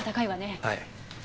はい。